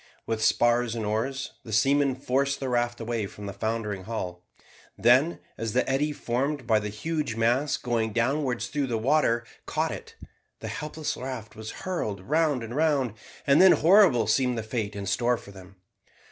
With spars and oars, the seamen forced the raft away from the foundering hull. Then, as the eddy formed by the huge mass going downwards through the water caught it, the helpless raft was whirled round and round, and then horrible seemed the fate in store for them.